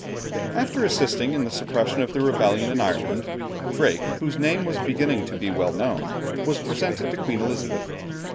After assisting in the suppression of the rebellion in Ireland, Drake, whose name was beginning to be well known, was presented to Queen Elizabeth.